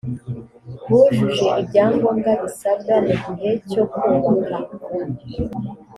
bujuje ibyangombwa bisabwa mu gihe cyo kubaka